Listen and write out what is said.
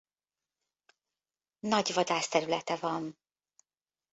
Nagy vadászterülete van.